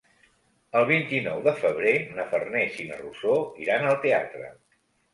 El vint-i-nou de febrer na Farners i na Rosó iran al teatre.